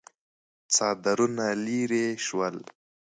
څادرونه ليرې شول.